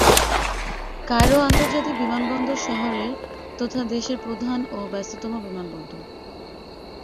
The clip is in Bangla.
কায়রো আন্তর্জাতিক বিমানবন্দর শহরের তথা দেশের প্রধান ও ব্যস্ততম বিমানবন্দর।